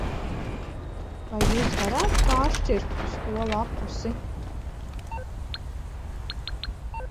Vai jūs varētu pāršķirt uz to lappusi?